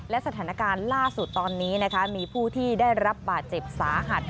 และสถานการณ์ล่าสุดตอนนี้มีผู้ที่ได้รับบาดเจ็บสาหัส